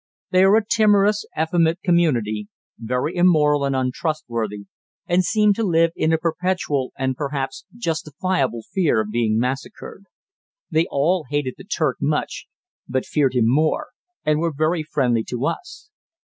They are a timorous, effeminate community, very immoral and untrustworthy, and seem to live in a perpetual and perhaps justifiable fear of being massacred. They all hated the Turk much but feared him more, and were very friendly to us.